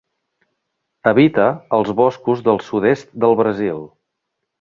Habita als boscos del sud-est del Brasil.